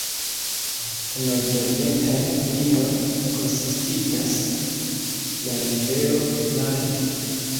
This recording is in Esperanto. La nordorientan limon konsistigas la rivero Nahe.